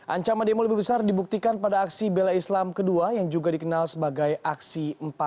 ancaman demo lebih besar dibuktikan pada aksi bela islam kedua yang juga dikenal sebagai aksi empat